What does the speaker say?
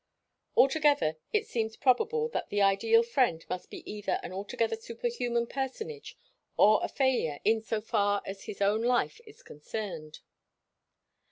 Altogether it seems probable that the ideal friend must either be an altogether superhuman personage, or a failure in so far as his own life is concerned.